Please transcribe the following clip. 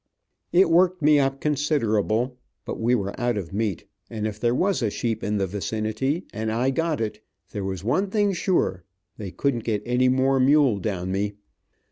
It worked me up considerable, but we were out of meat, and if there was a sheep in the vicinity, and I got it, there was one thing sure, they couldn't get any more mule down me.